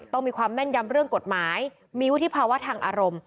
ต้องมีความแม่นยำเรื่องกฎหมายมีวุฒิภาวะทางอารมณ์